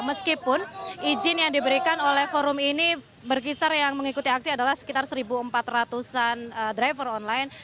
meskipun izin yang diberikan oleh forum ini berkisar yang mengikuti aksi adalah sekitar satu empat ratus an driver online